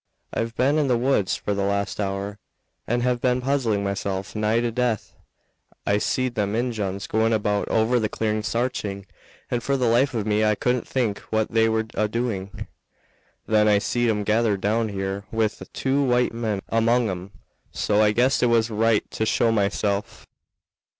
I've been in the woods for the last hour, and have been puzzling myself nigh to death. I seed them Injuns going about over the clearing sarching, and for the life of me I couldn't think what they were a doing. Then I seed 'em gathered down here, with two white men among 'em, so I guessed it was right to show myself."